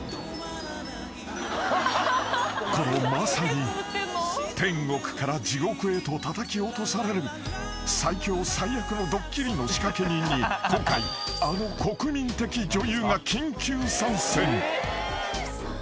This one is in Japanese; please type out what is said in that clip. ［このまさに天国から地獄へとたたき落とされる最強最悪のドッキリの仕掛け人に今回あの国民的女優が緊急参戦］